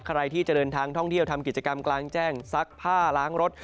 ใครที่จะเดินทางท่องเที่ยวทำกิจกรรมกลางแจ้งซักผ้าล้างรถ